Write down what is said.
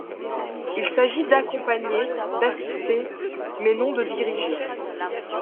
Il s'agit d'accompagner, d'assister mais non de diriger.